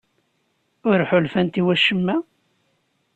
Ur ḥulfant i wacemma?